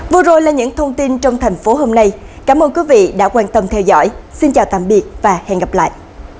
vừa rồi là những thông tin trong thành phố hôm nay cảm ơn quý vị đã quan tâm theo dõi xin chào tạm biệt và hẹn gặp lại